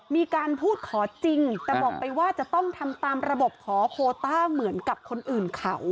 มีการพูดขอจริงแต่บอกไปว่าจะต้องทำตามระบบขอโคต้าเหมือนกับคนอื่นเขา